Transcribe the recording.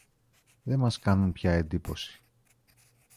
δε μας κάνουν πια εντύπωση.